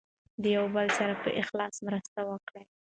د یو بل سره په اخلاص مرسته وکړئ.